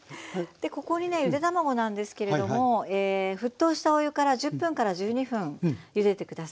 ここにねゆで卵なんですけれども沸騰したお湯から１０１２分ゆでて下さい。